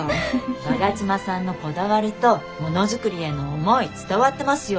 我妻さんのこだわりとものづくりへの思い伝わってますよ。